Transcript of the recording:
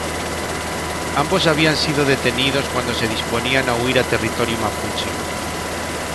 Ambos habían sido detenidos cuando se disponían a huir a territorio mapuche.